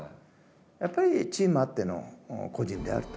やっぱりチームあっての個人であると。